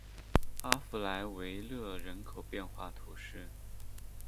阿弗莱维勒人口变化图示